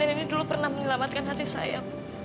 ini dulu pernah menyelamatkan hati saya